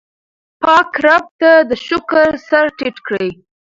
پاک رب ته د شکر سر ټیټ کړئ.